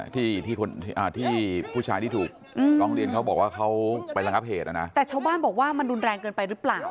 ที่ผู้ชายที่ถูกร้องเรียนเขาบอกว่าเขาไประงับเหตุ